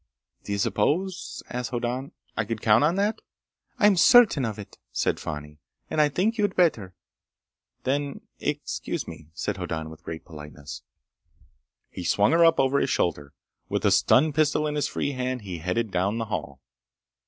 "Do you suppose," asked Hoddan, "I could count on that?" "I'm certain of it!" said Fani. "And I think you'd better." "Then, excuse me," said Hoddan with great politeness. He swung her up and over his shoulder. With a stun pistol in his free hand he headed down the hall.